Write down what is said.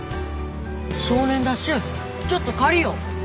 「少年ダッシュ」ちょっと借りよう。